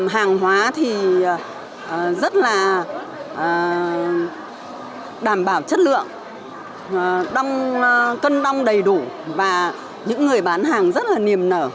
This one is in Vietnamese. hàng hóa thì rất là đảm bảo chất lượng cân đong đầy đủ và những người bán hàng rất là niềm nở